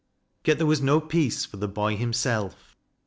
Yet there was no peace for the boy himself.